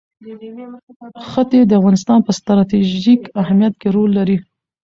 ښتې د افغانستان په ستراتیژیک اهمیت کې رول لري.